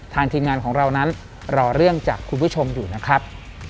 ทีมงานของเรานั้นรอเรื่องจากคุณผู้ชมอยู่นะครับ